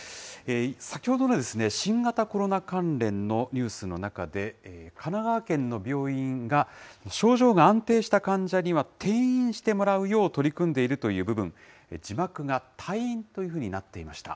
先ほど、新型コロナ関連のニュースの中で、神奈川県の病院が、症状が安定した患者には、転院してもらうよう取り組んでいるという部分、字幕が退院というふうになっていました。